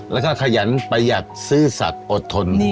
แล้วก็ขยันประหยัดซื่อสัตว์อดทน